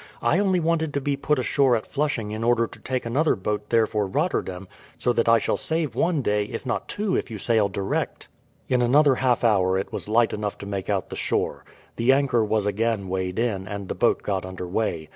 "I only wanted to put ashore at Flushing in order to take another boat there for Rotterdam, so that I shall save one day, if not two, if you sail direct." In another half hour it was light enough to make out the shore. The anchor was again weighed in and the boat got under way.